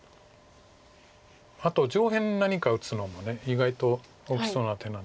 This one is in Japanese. あと上辺何か打つのも意外と大きそうな手なんですけど。